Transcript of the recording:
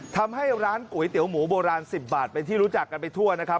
ทำให้ร้านก๋วยเตี๋ยวหมูโบราณ๑๐บาทเป็นที่รู้จักกันไปทั่วนะครับ